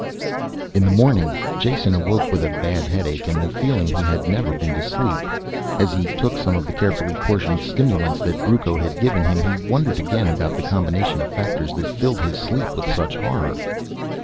In the morning Jason awoke with a bad headache and the feeling he had never been to sleep. As he took some of the carefully portioned stimulants that Brucco had given him, he wondered again about the combination of factors that filled his sleep with such horror.